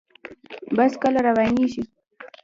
بس کله روانیږي؟